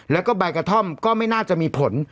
แล้วก็ใบกระท่อมก็ไม่น่าจะมีผล